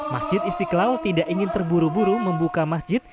masjid istiqlal tidak ingin terburu buru membuka masjid